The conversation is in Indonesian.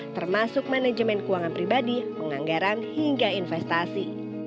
termasuk manajemen keuangan pribadi penganggaran hingga investasi